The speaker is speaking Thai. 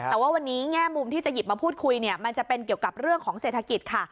แต่ว่าวันนี้แง่มุมที่จะหยิบมาพูดคุยเนี่ยมันจะเป็นเกี่ยวกับเรื่องของเศรษฐกิจค่ะ